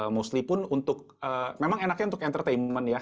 mostly pun untuk memang enaknya untuk entertainment ya